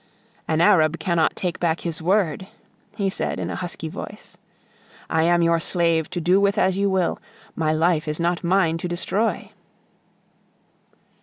"An Arab cannot take back his word," he said in a husky voice. "I am your slave to do with as you will; my life is not mine to destroy."